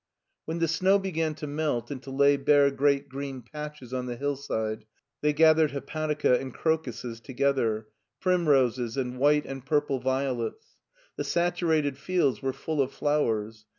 When the snow began to melt and to lay bare great green patches on the hillside, they gathered hepatica and crocuses together, primroses and white and purple violets. The saturated fields were full of flowers.